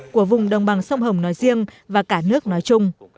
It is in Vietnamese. của vùng đồng bằng sông hồng nói riêng và cả nước nói chung